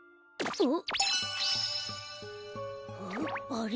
あれ？